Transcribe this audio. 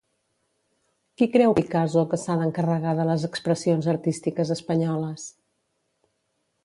Qui creu Picazo que s'ha d'encarregar de les expressions artístiques espanyoles?